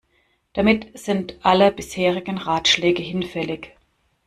Damit sind alle bisherigen Ratschläge hinfällig.